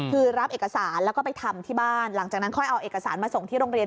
คือรับเอกสารแล้วก็ไปทำที่บ้านหลังจากนั้นค่อยเอาเอกสารมาส่งที่โรงเรียน